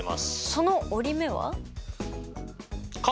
その折り目は？∠